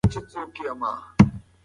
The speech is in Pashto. ګلالۍ د پټي په سر کې ولاړه وه.